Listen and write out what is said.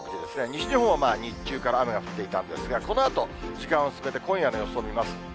西日本は日中から雨が降っていたんですが、このあと、時間を進めて、今夜の予想を見ます。